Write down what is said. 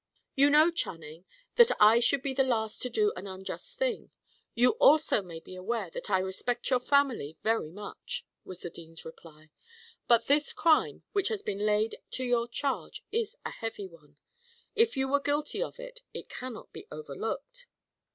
"You know, Channing, that I should be the last to do an unjust thing; you also may be aware that I respect your family very much," was the dean's reply. "But this crime which has been laid to your charge is a heavy one. If you were guilty of it, it cannot be overlooked."